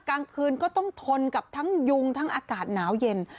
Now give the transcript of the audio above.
กลางคืนก็ต้องทนกับทั้งยุงทั้งอากาศหนาวเย็น